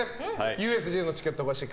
ＵＳＪのチケットが欲しい